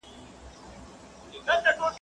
رسنۍ د خلکو اواز خپروي